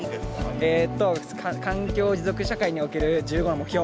えっと環境持続社会における１５の目標。